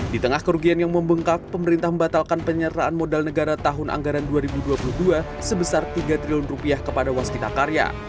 di tengah kerugian yang membengkak pemerintah membatalkan penyertaan modal negara tahun anggaran dua ribu dua puluh dua sebesar tiga triliun rupiah kepada waskita karya